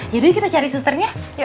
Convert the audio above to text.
yaudah kita cari susternya